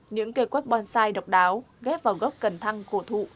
những cây quất bonsai độc đáo ghép vào gốc cần thăng khổ thụ